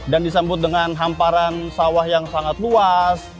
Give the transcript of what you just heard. dan disambut dengan hamparan sawah yang sangat luas